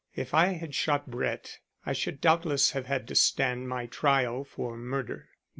If I had shot Brett I should doubtless have had to stand my trial for murder.